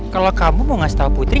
kalau kamu mau ngasih tau putri